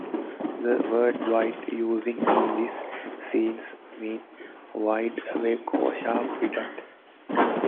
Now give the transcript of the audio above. The word "wide" used in this sense means wide-awake or sharp-witted.